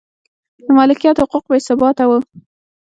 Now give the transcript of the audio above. د مالکیت حقوق بې ثباته و